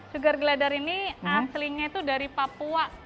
sugar glider ini aslinya itu dari papua